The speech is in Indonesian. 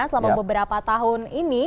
selama beberapa tahun ini